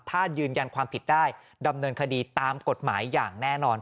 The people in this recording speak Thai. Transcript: ถ้ายืนยันความผิดได้ดำเนินคดีตามกฎหมายอย่างแน่นอน